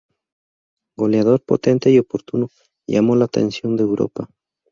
Goleador Potente y oportuno, llamó la atención de Europa.